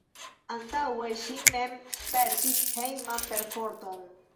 Antaŭe ŝi mem spertis hejman perforton.